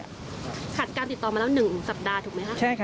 ขัดการติดต่อมาแล้ว๑สัปดาห์ถูกไหมคะ